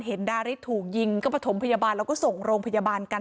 ดาริสถูกยิงก็ประถมพยาบาลแล้วก็ส่งโรงพยาบาลกัน